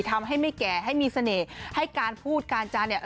ทำให้ไม่แก่ให้มีเสน่ห์ให้การพูดการจานเนี่ย